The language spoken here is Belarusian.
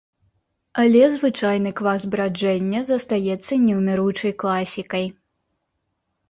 Але звычайны квас браджэння застаецца неўміручай класікай.